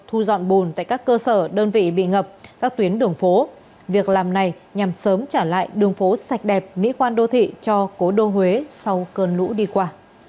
thu dọn bùn tại các cơ sở đơn vị bị ngập các tuyến đường phố việc làm này nhằm sớm trả lại đường phố sạch đẹp mỹ khoan đô thị cho cố đô huế sau cơn lũ đi qua